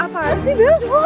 apaan sih bel